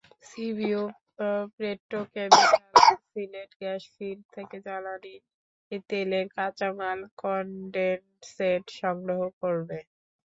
সিভিও petrochemical Sylhet gas field থেকে জ্বালানি তেলের কাঁচামাল কনডেনসেট সংগ্রহ করবে।